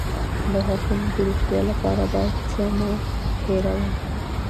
د غاښونو د روغتیا لپاره باید څه مه هیروم؟